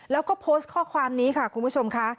แล้วก็โพสต์ข้อความนี้ค่ะคุณผู้ชมค่ะ